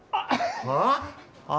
はあ？